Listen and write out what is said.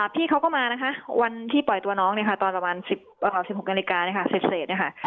พี่เขาก็มานะคะวันที่ปล่อยตัวน้องเนี่ยค่ะตอนประมาณ๑๖นาฬิกาเสร็จเนี่ยค่ะ